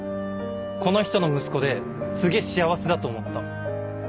この人の息子ですげぇ幸せだと思った。